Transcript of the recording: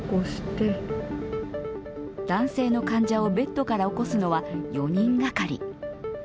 男性の患者をベッドから起こすのは４人がかり。